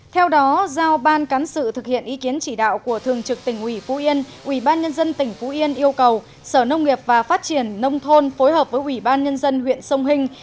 theo đó giao ban cán sự thực hiện ý kiến chỉ đạo của thường trực tỉnh ủy phú yên ubnd tỉnh phú yên yêu cầu sở nông nghiệp và phát triển nông thôn phối hợp với ủy ban nhân dân huyện sông hình